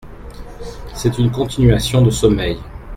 C'est une continuation de sommeil.